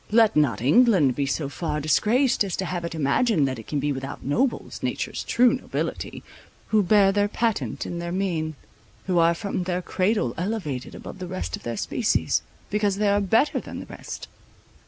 Let not England be so far disgraced, as to have it imagined that it can be without nobles, nature's true nobility, who bear their patent in their mien, who are from their cradle elevated above the rest of their species, because they are better than the rest.